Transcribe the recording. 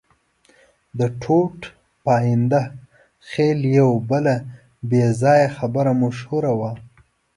د ټوټ پاینده خېل یوه بله بې ځایه خبره مشهوره وه.